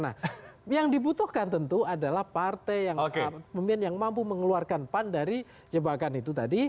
nah yang dibutuhkan tentu adalah partai yang mampu mengeluarkan pan dari jebakan itu tadi